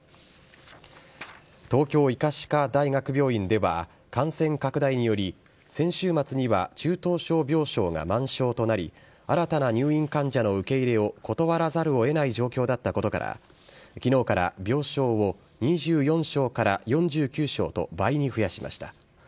東京医科歯科大学病院では、感染拡大により、先週末には中等症病床が満床となり新たな入院患者の受け入れを断らざるをえない状況だったことから、きのうから病床を２４床から４９床と倍に増やしました。